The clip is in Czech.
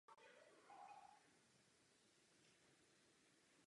Záleží jednak na pořadí narození ale také na pohlaví.